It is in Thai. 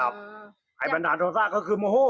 แบรนดาโทรรทรมาโฮ์